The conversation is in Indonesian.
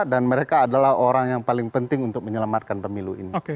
dan mereka adalah orang yang paling penting untuk menyelamatkan pemilu ini